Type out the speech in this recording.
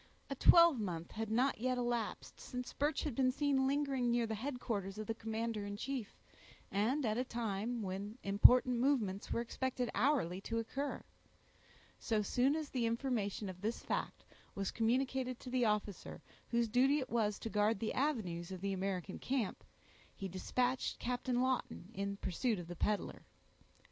A twelvemonth had not yet elapsed, since Birch had been seen lingering near the headquarters of the commander in chief, and at a time when important movements were expected hourly to occur. So soon as the information of this fact was communicated to the officer whose duty it was to guard the avenues of the American camp, he dispatched Captain Lawton in pursuit of the peddler.